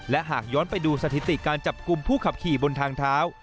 และหากย้อนไปดูสถิติการจับกลุ่มผู้ขับขี่บนทางเท้า